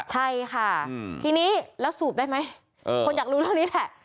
ใช่ค่ะทีนี้แล้วสูบได้ไหมคนอยากรู้เรื่องนี้แหละ